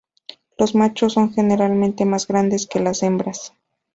Los machos son generalmente más grandes que las hembras.